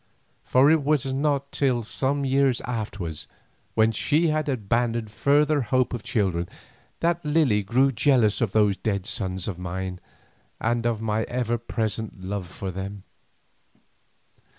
For it was not till some years afterwards, when she had abandoned further hope of children, that Lily grew jealous of those dead sons of mine and of my ever present love for them.